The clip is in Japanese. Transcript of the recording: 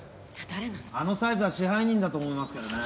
あのサイズは支配人だと思いますけどね。